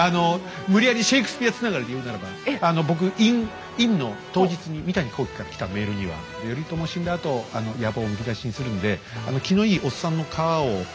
無理やりシェークスピアつながりで言うならば僕インの当日に三谷幸喜から来たメールには「頼朝死んだあと野望をむき出しにするんで」。